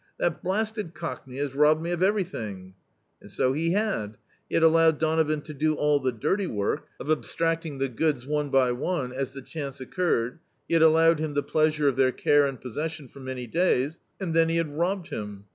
"That blasted Cockney has robbed me of everything." And so he had. He had allowed Donovan to do all the dirty work, of abstracting the goods one by one, as the chance occurred; he had allowed him the pleasure of their care and possession for many days, and then he had robbed him.